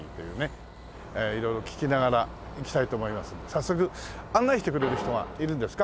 早速案内してくれる人がいるんですか？